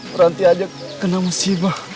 bu ranti aja kena musibah